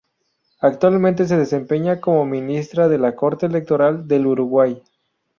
Actualmente se desempeña como Ministra de la Corte Electoral del Uruguay.